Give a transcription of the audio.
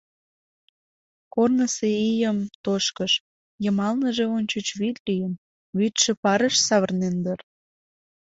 Корнысо ийым тошкыш, йымалныже ончыч вӱд лийын, вӱдшӧ парыш савырнен дыр.